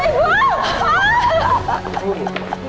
ibu tolong aku ibu